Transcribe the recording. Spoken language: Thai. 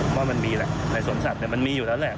ว่ามันมีแหละในสวนสัตว์มันมีอยู่แล้วแหละ